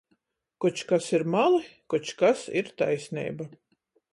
Koč kas ir mali, koč kas ir taisneiba.